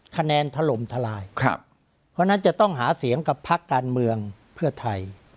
ถล่มทลายเพราะฉะนั้นจะต้องหาเสียงกับพักการเมืองเพื่อไทย